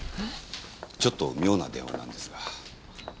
ちょっと妙な電話なんですが。